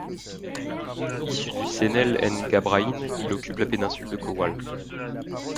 Issu du Cenél nGabráin, il occupe la péninsule de Cowal.